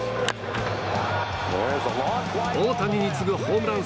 大谷に次ぐホームラン